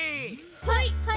はい！